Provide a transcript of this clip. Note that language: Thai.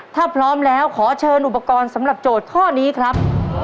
ถ้าพร้อมแล้วขอเชิญอุปกรณ์สำหรับโจทย์ข้อนี้ครับ